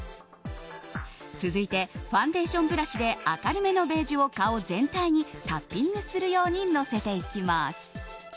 続いてファンデーションブラシで明るめのベージュを顔全体にタッピングするようにのせていきます。